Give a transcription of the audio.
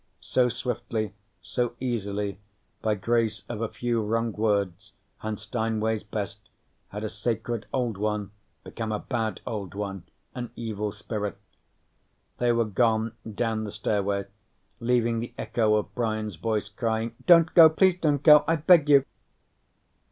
So swiftly, so easily, by grace of a few wrong words and Steinway's best, had a Sacred Old One become a Bad Old One, an evil spirit. They were gone, down the stairway, leaving the echo of Brian's voice crying: "Don't go! Please don't go! I beg you!"